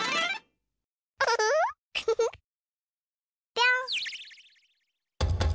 ぴょん。